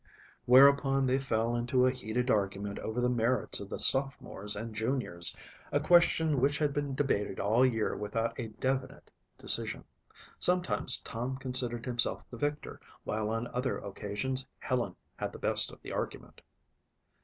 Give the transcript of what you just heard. Whereupon they fell into a heated argument over the merits of the sophomores and juniors, a question which had been debated all year without a definite decision. Sometimes Tom considered himself the victor while on other occasions Helen had the best of the argument.